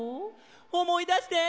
おもいだして！